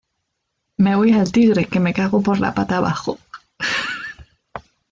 Me voy al tigre que me cago por la pata abajo